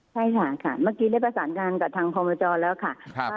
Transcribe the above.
ใช่ค่ะเมื่อกี้ได้ประสานงานกับทางพมจแล้วค่ะ